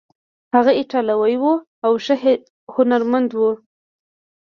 هغه ایټالوی و او ښه هنرمند و.